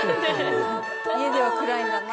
家では暗いんだな。